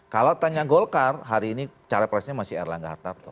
kalau tanya golkar hari ini capresnya masih erlangga hartarto